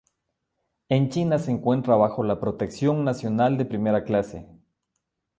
En China se encuentra bajo la protección nacional de primera clase.